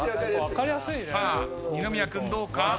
さあ二宮君どうか？